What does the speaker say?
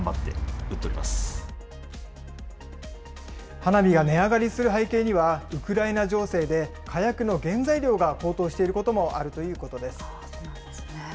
花火が値上がりする背景には、ウクライナ情勢で火薬の原材料が高騰していることもあるというこそうなんですね。